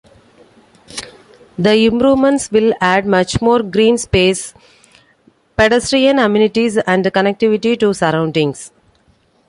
The improvements will add much more green space, pedestrian amenities and connectivity to surroundings.